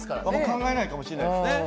考えないかもしれないですね。